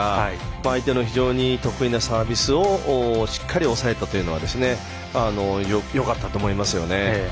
相手の得意なサービスをしっかり抑えたというのはよかったと思いますよね。